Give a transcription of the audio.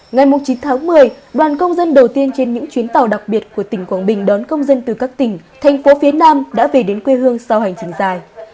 ngày chín tháng một mươi đoàn công dân đầu tiên trên những chuyến tàu đặc biệt của tỉnh quảng bình đón công dân từ các tỉnh thành phố phía nam đã về đến quê hương sau hành trình dài